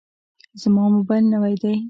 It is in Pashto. زما موبایل نوی دی.